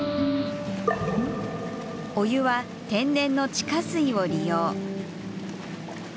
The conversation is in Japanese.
お湯は天然の地下水を利用。